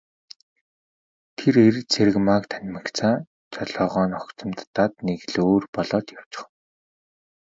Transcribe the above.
Тэр эр Цэрэгмааг танимагцаа жолоогоо огцом татаад нэг л өөр болоод явчхав.